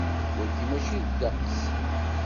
Wagi mačči ddeqs.